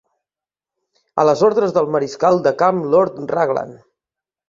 A les ordres del mariscal de camp Lord Raglan.